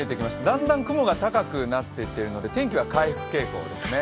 だんだん雲が高くなってきているので、天気は回復傾向ですね。